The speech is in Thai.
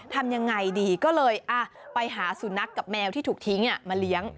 ทำยังไงดีก็เลยไปหาสุนัขกับแมวที่ถูกทิ้งมาเลี้ยง